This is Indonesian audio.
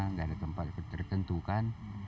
nggak ada tempat tertentukan